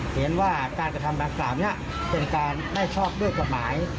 เห็นว่าการกระทำดังกล่าวนี้เป็นการไม่ชอบด้วยกฎหมาย